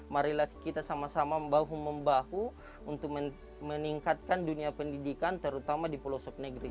marilah kita sama sama membahu membahu untuk meningkatkan dunia pendidikan terutama di pulau subnegri